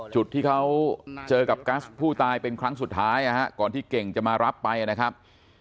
จุดที่เขาเจอกับกัสผู้ตายเป็นครั้งสุดท้ายก่อนที่เก่งจะมารับไปนะครับ